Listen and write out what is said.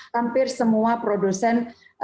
hampir semua produsen